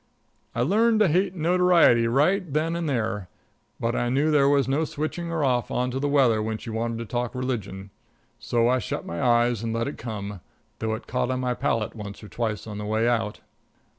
I learned to hate notoriety right then and there, but I knew there was no switching her off on to the weather when she wanted to talk religion. So I shut my eyes and let it come, though it caught on my palate once or twice on the way out.